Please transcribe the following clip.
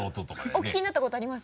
お聞きになったことあります？